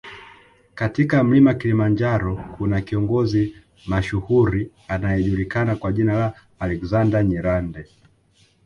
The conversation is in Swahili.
katika mlima Kilimanjaro kuna kiongozi mashuhuri anayejulikana kwa jina la Alexander Nyirande